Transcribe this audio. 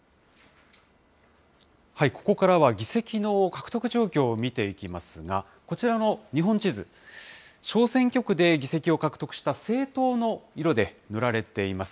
ここからは議席の獲得状況を見ていきますが、こちらの日本地図、小選挙区で議席を獲得した政党の色で塗られています。